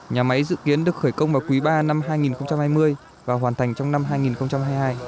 nhà máy dự kiến được khởi công vào quý ba năm hai nghìn hai mươi và hoàn thành trong năm hai nghìn hai mươi hai